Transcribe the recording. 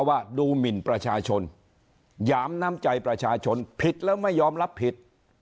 ว่าดูหมินประชาชนหยามน้ำใจประชาชนผิดแล้วไม่ยอมรับผิด